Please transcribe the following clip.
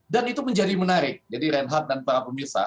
dan itu menjadi menarik jadi reinhardt dan para pemirsa